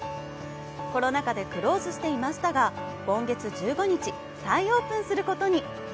コロナ禍でクローズしていましたが今月１５日、再オープンすることに。